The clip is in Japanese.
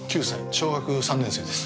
小学３年生です。